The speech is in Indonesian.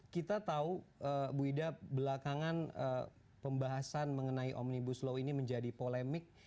kita tahu bu ida belakangan pembahasan mengenai omnibus law ini menjadi polemik